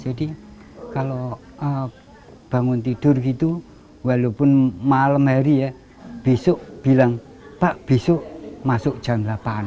jadi kalau bangun tidur gitu walaupun malam hari ya besok bilang pak besok masuk jam delapan